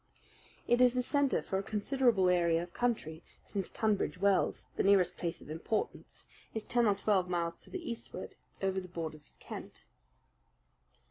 It is the centre for a considerable area of country, since Tunbridge Wells, the nearest place of importance, is ten or twelve miles to the eastward, over the borders of Kent.